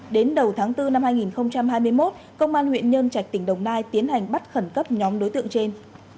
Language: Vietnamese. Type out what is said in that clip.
đến đầu tháng bốn năm hai nghìn hai mươi một công an huyện nhân trạch tỉnh đồng nai tiến hành bắt khẩn cấp nhóm đối tượng trên